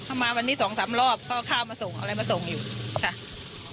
ถ้ามันมี๒๓รอบก็เข้ามาส่งอะไรมาส่งอยู่